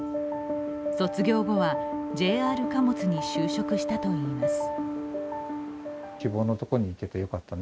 卒業後はＪＲ貨物に就職したといいます。